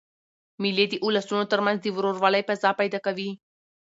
مېلې د اولسونو تر منځ د ورورولۍ فضا پیدا کوي.